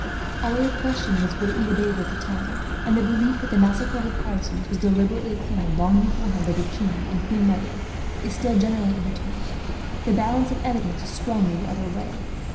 Although the question was greatly debated at the time, and the belief that the massacre of the Protestants was deliberately planned long beforehand by the king and queen mother is still generally entertained, the balance of evidence is strongly the other way.